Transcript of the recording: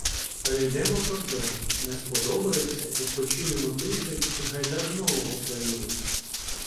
Перейдемо кордон, не сподобається — відпочинемо тиждень і гайда знову в Україну.